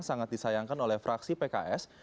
sangat disayangkan oleh fraksi pks